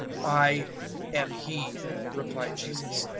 026:064 "I am He," replied Jesus.